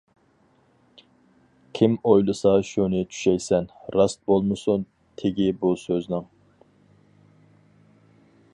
كىم ئويلىسا شۇنى چۈشەيسەن؟ راست بولمىسۇن تېگى بۇ سۆزنىڭ.